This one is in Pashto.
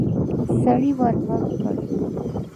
سړي ورغږ کړ.